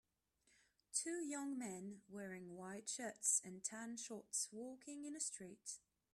Two young men wearing white shirts and tan shorts walking in a street.